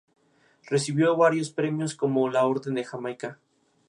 Las ediciones del "Diccionario contemporáneo de lengua portuguesa" se dividen en tres series.